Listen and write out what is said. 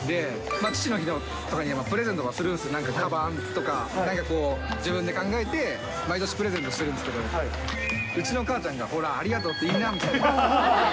父の日とかにプレゼントとかするんですよ、なんか、かばんとか、なんかこう、自分で考えて、毎年、プレゼントしてるんですけど、うちの母ちゃんが、ほら、ありがとうって言いなみたいな。